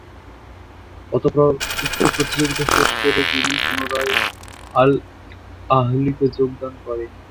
অতঃপর উক্ত প্রতিযোগিতা শেষ করে তিনি পুনরায় আল-আহলিতে যোগদান করে।